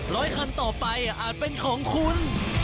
ร้อยคันต่อไปอาจเป็นของคุณ